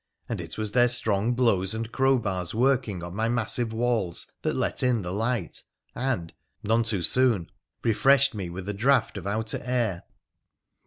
And it was their strong blows and crowbars working on my massive walls that let in the light, and — none too soon — refreshed me with a draught of outer air.